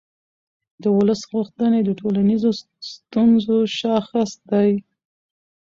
د ولس غوښتنې د ټولنیزو ستونزو شاخص دی